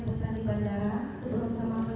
jadi ada paket apa aja